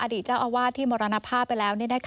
เจ้าอาวาสที่มรณภาพไปแล้ว